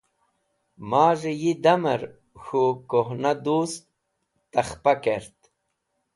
Maz̃hey Yi damer K̃hu Kuhna Dust Takhpa Kert